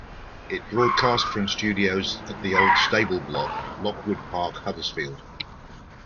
It broadcast from studios at The Old Stableblock, Lockwood Park, Huddersfield.